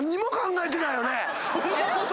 そんなことない！